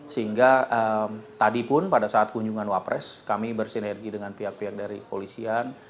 sehingga tadi pun pada saat kunjungan wapres kami bersinergi dengan pihak pihak dari polisian